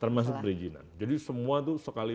termasuk perizinan jadi semua itu sekali